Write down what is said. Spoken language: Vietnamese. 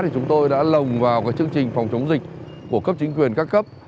chúng tôi đã lồng vào chương trình phòng chống dịch của cấp chính quyền các cấp